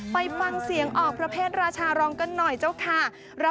ไปฟังเสียงออกประเภทราชารองกันหน่อยเจ้าค่ะ